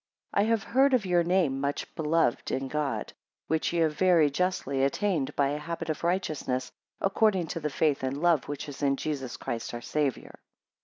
2 I have heard of your name much beloved in God; which ye have very justly attained by a habit of righteousness, according to the faith and love which is in Jesus Christ our Saviour.